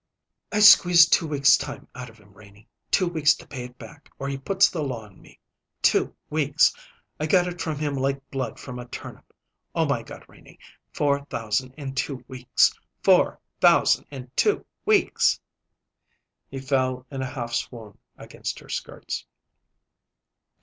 "I squeezed two weeks' time out of him, Renie. Two weeks to pay it back or he puts the law on me two weeks; and I got it from him like blood from a turnip. Oh, my God, Renie, four thousand in two weeks four thousand in two weeks!" He fell in a half swoon against her skirts.